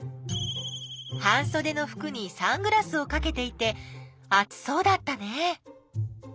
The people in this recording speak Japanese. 半そでのふくにサングラスをかけていて暑そうだったね。